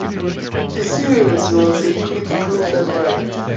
The series was a critical favorite.